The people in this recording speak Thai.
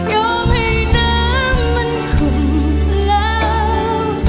อมให้น้ำมันข่มแล้ว